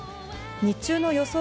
日中の予想